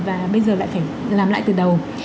và bây giờ lại phải làm lại từ đầu